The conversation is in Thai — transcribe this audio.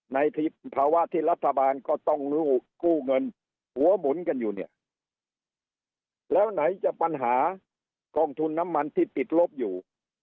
ในภาวะที่รัฐบาลก็ต้องกู้เงินหัวหมุนกันอยู่เนี่ยแล้วไหนจะปัญหากองทุนน้ำมันที่ติดลบอยู่